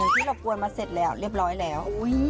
ที่เรากวนมาเสร็จแล้วเรียบร้อยแล้ว